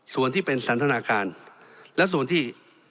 ส่วนที่เป็นสันทนาการและส่วนที่